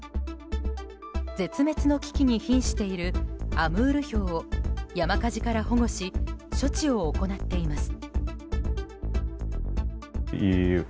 絶滅の危機に瀕しているアムールヒョウを山火事から保護し処置を行っています。